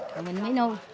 rồi mình mới nuôi